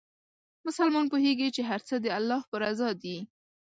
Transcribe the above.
مسلمان پوهېږي چې هر څه د الله په رضا دي.